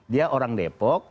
dia orang depok